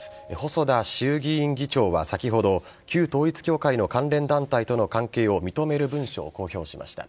細田衆議院議長は先ほど旧統一教会の関連団体との関係を認める文書を公表しました。